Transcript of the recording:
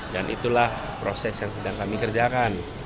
dan itulah proses yang sedang kami kerjakan